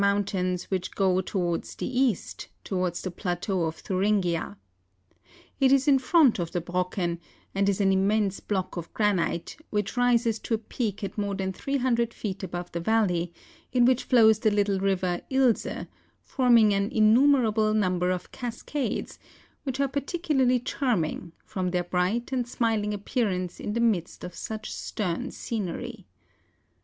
163 mountains which go towards the east, towards the plateau of Thuringia. It is in front of the Brocken, and is an immense block of granite, which rises to a peak at more than 300 feet above the valley, in which flows the little river Use, forming an innu¬ merable number of cascades, which are particularly charming, from their bright and smiling appearance in the midst of such stern scenery.